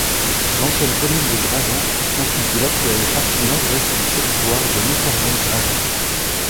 L'ancienne commune de Grazan constitue l'actuelle partie nord-ouest du territoire de Moncorneil-Grazan.